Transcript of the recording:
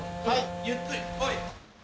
はい。